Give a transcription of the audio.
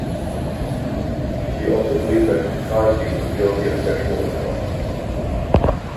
She also believes that Cosby is guilty of sexual assault.